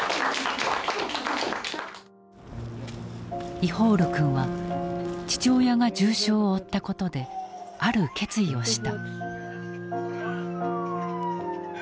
イホール君は父親が重傷を負ったことである決意をした。